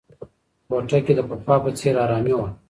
کوټه کې د پخوا په څېر ارامي وه.